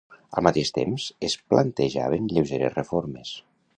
Al mateix temps, es plantejaven lleugeres reformes.